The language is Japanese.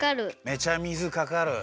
めちゃ水かかる。